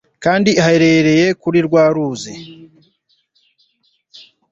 kandi ahereye kuri rwa ruzi